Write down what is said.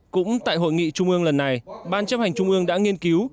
cũng tại hội nghị trung ương lần này ban chấp hành trung ương đã nghiên cứu